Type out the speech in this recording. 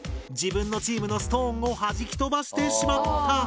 自分のチームのストーンをはじき飛ばしてしまった。